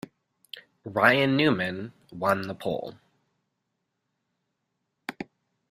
Ryan Newman won the pole.